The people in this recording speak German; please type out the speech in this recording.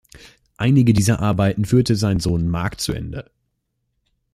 Einige dieser Arbeiten führte sein Sohn Mark zu Ende.